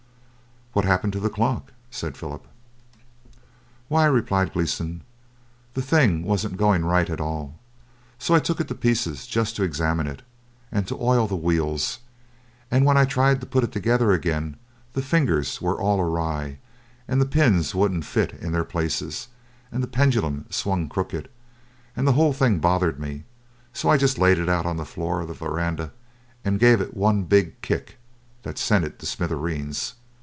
"What happened to the clock?" said Philip. "Why," replied Gleeson, "the thing wasn't going right at all, so I took it to pieces just to examine it, and to oil the wheels, and when I tried to put it together again, the fingers were all awry, and the pins wouldn't fit in their places, and the pendulum swung crooked, and the whole thing bothered me so that I just laid it on the floor of the verandah, and gave it one big kick that sent it to smithereens.